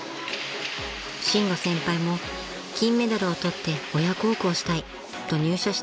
［伸吾先輩も金メダルを取って親孝行したいと入社した一人］